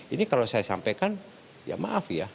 ini kalau saya sampaikan ya maaf ya